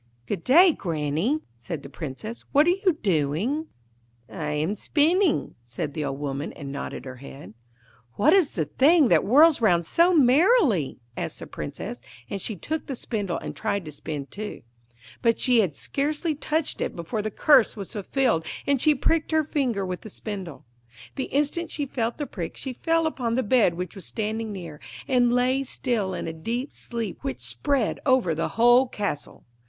'Good day, Granny,' said the Princess; 'what are you doing?' 'I am spinning,' said the old woman, and nodded her head. 'What is the thing that whirls round so merrily?' asked the Princess; and she took the spindle and tried to spin too. But she had scarcely touched it before the curse was fulfilled, and she pricked her finger with the spindle. The instant she felt the prick she fell upon the bed which was standing near, and lay still in a deep sleep which spread over the whole castle.